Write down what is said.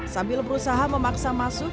sambil berusaha memaksa masuk